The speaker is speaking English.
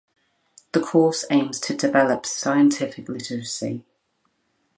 The course aims to develop scientific literacy.